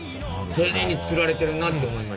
丁寧に作られてるなって思いました。